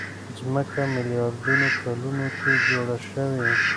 ځمکه ميلياردونو کلونو کې جوړه شوې.